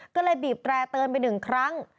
ก็เลยบีบแตร่เตือนไปหนึ่งครั้ง